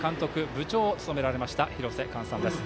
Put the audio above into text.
部長を務められた廣瀬寛さんです。